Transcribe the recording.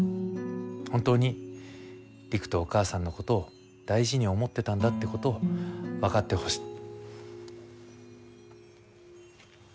本当に璃久とお母さんのことを大事に思ってたんだってことを分かってほしい。